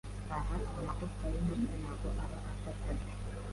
Aha amagufwa y’umutwe ntago aba afatanye,